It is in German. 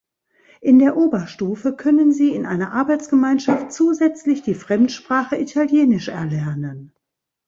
In der Oberstufe können sie in einer Arbeitsgemeinschaft zusätzlich die Fremdsprache Italienisch erlernen.